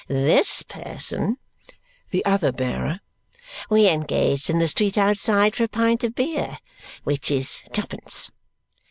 This person," the other bearer, "we engaged in the street outside for a pint of beer. Which is twopence.